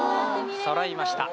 そろいました。